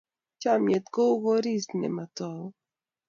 Chomnyet kou koris ne matogu.